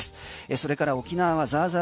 それから沖縄ザーザー